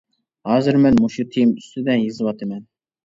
ھازىر مەن مۇشۇ تېما ئۈستىدە يېزىۋاتىمەن.